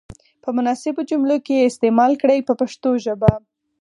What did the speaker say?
په مناسبو جملو کې یې استعمال کړئ په پښتو ژبه.